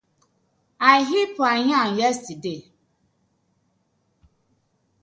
I bin pawn yam yestade.